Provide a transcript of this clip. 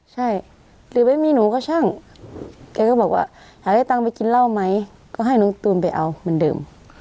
ใช่หรือไม่มีหนูก็ช่างแกก็บอกว่าหาได้ตังค์ไปกินเหล้าไหมก็ให้น้องตูนไปเอาเหมือนเดิม